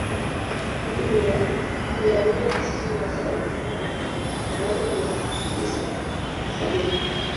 Hadi mia nne sitini na saba katika mwaka elfu moja mia tisa sabini